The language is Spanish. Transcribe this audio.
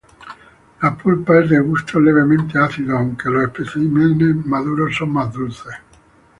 La pulpa es de gusto levemente ácido, aunque los especímenes maduros son más dulces.